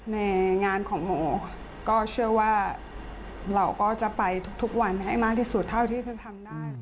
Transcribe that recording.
ในงานของหนูก็เชื่อว่าเราก็จะไปทุกวันให้มากที่สุดเท่าที่จะทำได้